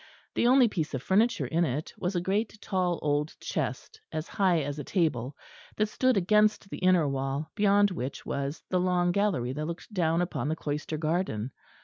The only piece of furniture in it was a great tall old chest as high as a table, that stood against the inner wall beyond which was the long gallery that looked down upon the cloister garden.